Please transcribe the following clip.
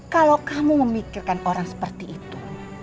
kalau kamu memikirkan orang seperti itu